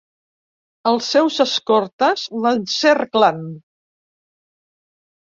Els seus escortes l'encerclen.